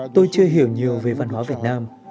tôi chưa hiểu nhiều về văn hóa việt nam